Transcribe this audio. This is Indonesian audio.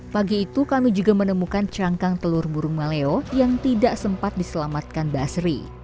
pagi itu kami juga menemukan cangkang telur burung maleo yang tidak sempat diselamatkan basri